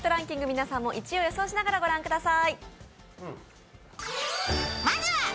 皆さんも１位を予想しながらご覧ください。